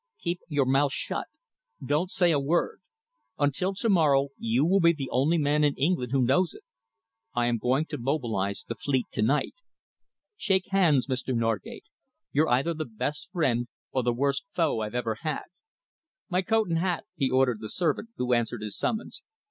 Keep your mouth shut; don't say a word. Until to morrow you will be the only man in England who knows it. I am going to mobilise the fleet to night. Shake hands, Mr. Norgate. You're either the best friend or the worst foe I've ever had. My coat and hat," he ordered the servant who answered his summons.